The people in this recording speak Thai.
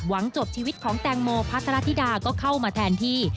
จบชีวิตของแตงโมพัทรธิดาก็เข้ามาแทนที่